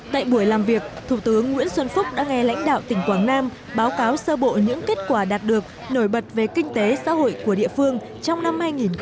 tại buổi làm việc thủ tướng nguyễn xuân phúc đã nghe lãnh đạo tỉnh quảng nam báo cáo sơ bộ những kết quả đạt được nổi bật về kinh tế xã hội của địa phương trong năm hai nghìn một mươi tám